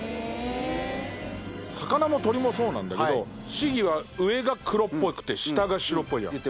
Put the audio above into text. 魚も鳥もそうなんだけどシギは上が黒っぽくて下が白っぽい。